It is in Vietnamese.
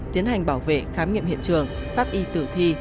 tiến hành bảo vệ khám nghiệm hiện trường pháp y tử thi